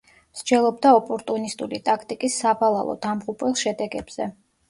მსჯელობდა ოპორტუნისტული ტაქტიკის სავალალო, დამღუპველ შედეგებზე.